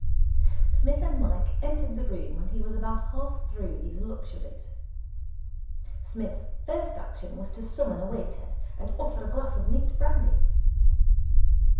Psmith and Mike entered the room when he was about half through these luxuries. Psmith's first action was to summon a waiter, and order a glass of neat brandy.